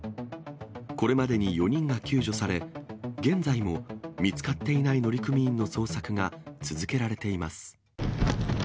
これまでに４人が救助され、現在も見つかっていない乗組員の捜索が続けられています。